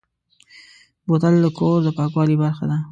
بوتل د کور د پاکوالي برخه ده.